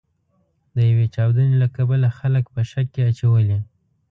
د یوې چاودنې له کبله خلک په شک کې اچولي.